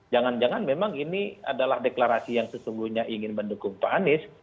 jangan jangan memang ini adalah deklarasi yang sesungguhnya ingin mendukung pak anies